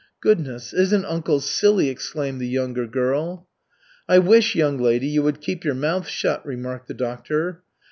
"Goodness, isn't uncle silly!" exclaimed the younger girl. "I wish, young lady, you would keep your mouth shut," remarked the doctor.